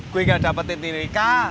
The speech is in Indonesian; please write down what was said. gue gak dapetin nih rika